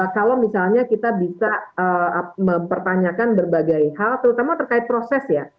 kalau misalnya kita bisa mempertanyakan berbagai hal terutama terkait proses ya